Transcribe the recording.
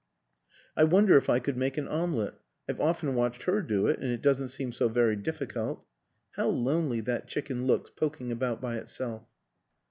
... I wonder if I could make an omelette I've often watched her do it, and it doesn't seem so very difficult. How lonely that chicken looks poking about by itself."